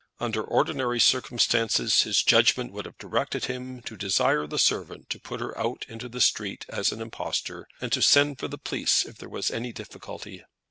Under ordinary circumstances his judgment would have directed him to desire the servant to put her out into the street as an impostor, and to send for the police if there was any difficulty.